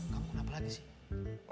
kamu ngapain lagi sih